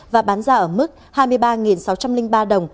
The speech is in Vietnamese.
và bán ra ở mức hai mươi ba sáu trăm linh ba đồng